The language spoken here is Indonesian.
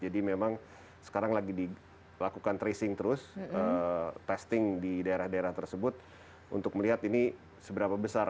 jadi memang sekarang lagi dilakukan tracing terus testing di daerah daerah tersebut untuk melihat ini seberapa besar